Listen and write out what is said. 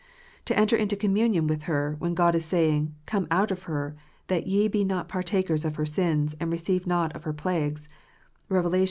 To enter into communion with her, when God is saying, " Come out of her, that ye be not partakers of her sins, and receive not of her plagues " (Rev. xviii.